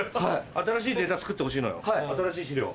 新しいデータ作ってほしいのよ新しい資料。